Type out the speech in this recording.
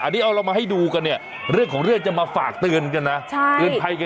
อันนี้เอาเรามาให้ดูกันเนี่ยเรื่องของเรื่องจะมาฝากเตือนกันนะ